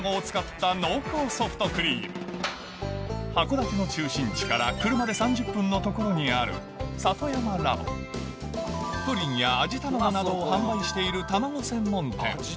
まずは函館の中心地から車で３０分の所にあるプリンやあじたまごなどを販売している卵専門店